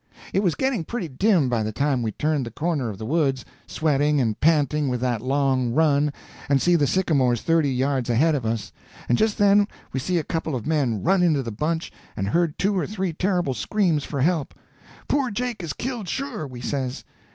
It was getting pretty dim by the time we turned the corner of the woods, sweating and panting with that long run, and see the sycamores thirty yards ahead of us; and just then we see a couple of men run into the bunch and heard two or three terrible screams for help. "Poor Jake is killed, sure," we says.